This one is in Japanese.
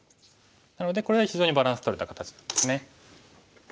なのでこれは非常にバランスとれた形なんですね。